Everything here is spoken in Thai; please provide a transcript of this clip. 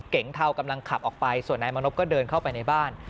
เก๋เทากำลังขับออกไปส่วนนายมณพก็เดินเข้าไปในบ้าน